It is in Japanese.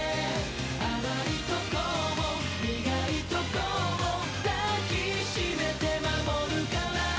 甘いとこも、苦いとこも抱きしめて、守るから。